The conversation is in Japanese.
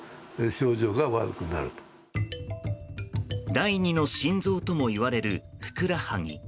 第２の心臓ともいわれるふくらはぎ。